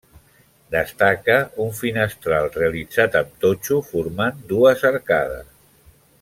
Destaca un finestral realitzat amb totxo formant dues arcades.